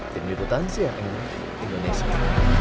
tim liputan siang indonesia